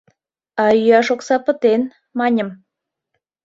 А йӱаш окса пытен, маньым.